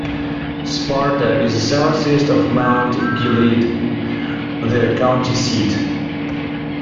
Sparta is southeast of Mount Gilead, the county seat.